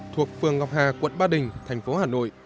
thuộc phường ngọc hà quận ba đình thành phố hà nội